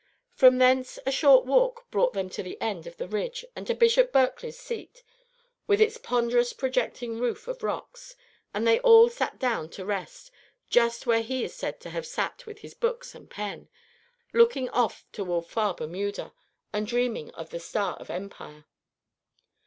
From thence a short walk brought them to the end of the ridge and to Bishop Berkeley's seat, with its ponderous projecting roof of rocks; and they all sat down to rest just where he is said to have sat with his books and pen, looking off toward far Bermuda, and dreaming of the "star of empire."